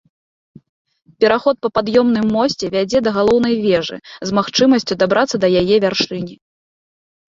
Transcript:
Праход па пад'ёмным мосце вядзе да галоўнай вежы, з магчымасцю дабрацца да яе вяршыні.